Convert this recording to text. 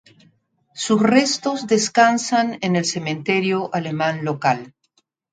Sus restos descansan en el cementerio alemán local.